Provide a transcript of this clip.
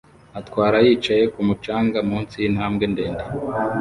atwara yicaye kumu canga munsi yintambwe ndende